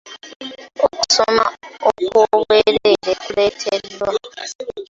Okusoma okwobwereere kuleeteddwa.